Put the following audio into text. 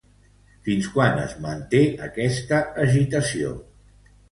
Fins quan es manté aquesta agitació?